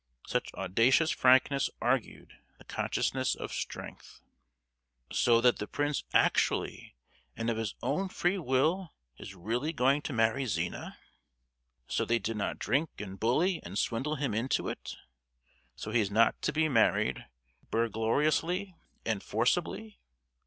Such audacious frankness argued the consciousness of strength. "So that the prince actually, and of his own free will is really going to marry Zina? So they did not drink and bully and swindle him into it? So he is not to be married burglariously and forcibly?